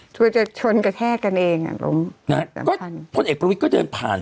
ก็จะชนกระแทกันเองน่ะรุมนะฮะก็คนประวิกษ์ก็เดินผ่าน